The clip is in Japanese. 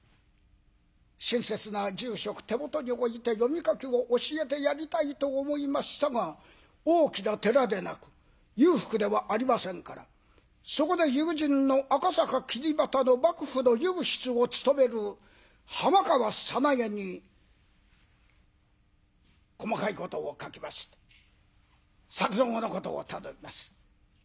親切な住職手元に置いて読み書きを教えてやりたいと思いましたが大きな寺でなく裕福ではありませんからそこで友人の赤坂桐畑の幕府の右筆を務める浜川さなげに細かいことを書きまして作蔵のことを頼みます。